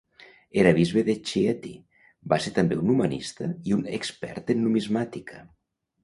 Era bisbe de Chieti, va ser també un humanista i un expert en numismàtica.